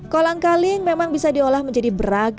kolang kaling memang bisa diolah menjadi beragam